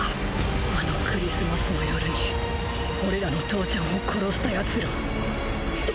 あのクリスマスの夜に俺らの父ちゃんを殺したヤツら。